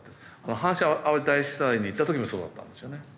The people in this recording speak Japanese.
阪神・淡路大震災に行った時もそうだったんですよね。